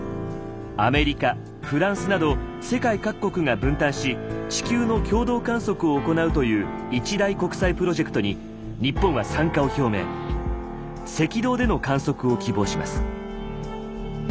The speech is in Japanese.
アメリカフランスなど世界各国が分担し地球の共同観測を行うという一大国際プロジェクトに赤道での観測を希望します。